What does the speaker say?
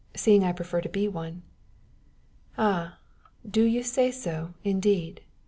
"seeing I prefer to be one." "Ah! do you say so, indeed?